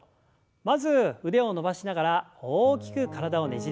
まず腕を伸ばしながら大きく体をねじります。